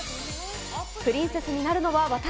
プリンセスになるのは私。